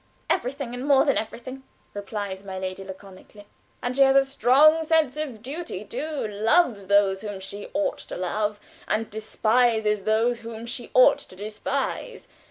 "Everything, and more than everything," replies my lady, laconically. "And she has a strong sense of duty, too; loves those whom she ought to love, and despises those whom she ought to despise.